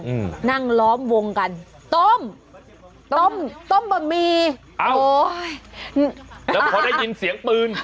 อืมนั่งล้อมวงกันต้มต้มต้มต้มบะหมี่โอ้โหแล้วพอได้ยินเสียงปืน